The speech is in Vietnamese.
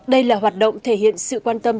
đây là hoạt động thể hiện sự quan tâm